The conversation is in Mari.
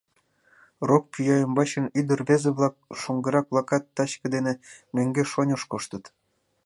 Рок пӱя ӱмбачын ӱдыр-рвезе-влак, шоҥгырак-влакат тачке дене мӧҥгеш-оньыш коштыт.